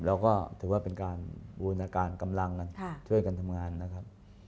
แล้วก็ถือว่าเป็นการบูรณาการกำลังกันช่วยกันทำงานนะครับ